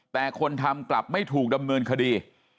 แต่คนทำกลับไม่ถูกดำเนินคดี